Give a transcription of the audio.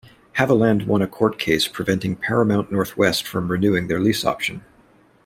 Haviland won a court case preventing Paramount Northwest from renewing their lease option.